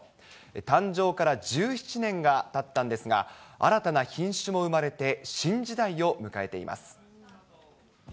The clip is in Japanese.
誕生から１７年がたったんですが、新たな品種も生まれて、新時代を迎えています。